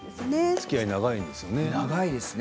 つきあいが長いんですね。